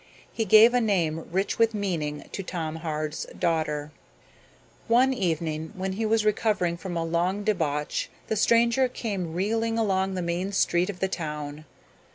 He gave a name rich with meaning to Tom Hard's daughter. One evening when he was recovering from a long debauch the stranger came reeling along the main street of the town.